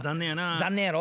残念やろ？